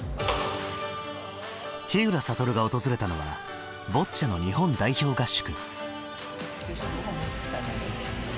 ひうらさとるが訪れたのはボッチャの日本代表合宿。